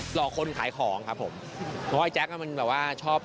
หลอกคนขายของครับผมเพราะว่าไอแจ๊คอ่ะมันแบบว่าชอบ